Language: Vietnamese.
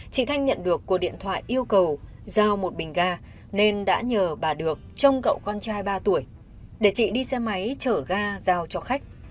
chị thanh nhận được cuộc điện thoại yêu cầu giao một bình ga nên đã nhờ bà được trông cậu con trai ba tuổi để chị đi xe máy chở ga giao cho khách